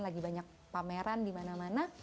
lagi banyak pameran di mana mana